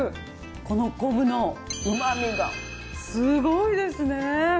この昆布の旨みがすごいですね。